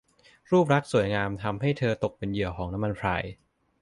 รูปลักษณ์ที่สวยงามทำให้เธอตกเป็นเหยื่อของน้ำมันพราย